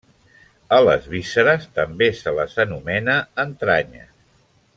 A les vísceres també se'ls anomena entranyes.